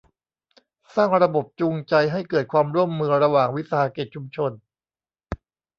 สร้างระบบจูงใจให้เกิดความร่วมมือระหว่างวิสาหกิจชุมชน